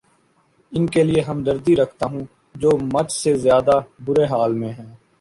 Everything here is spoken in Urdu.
ان کے لیے ہمدردی رکھتا ہوں جو مچھ سے زیادہ برے حال میں ہیں